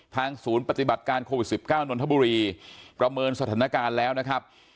ศูนย์ปฏิบัติการโควิด๑๙นนทบุรีประเมินสถานการณ์แล้วนะครับ